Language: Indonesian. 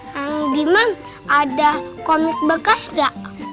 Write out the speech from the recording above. bang diman ada komik bekas nggak